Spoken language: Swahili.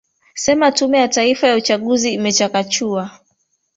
sema tume ya taifa ya uchaguzi imechakachuwa